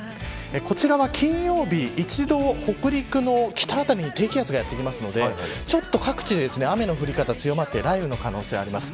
こちらは金曜日、一度北陸の北あたりに低気圧がやってくるので、ちょっと各地で雨の降り方強まって雷雨の可能性あります。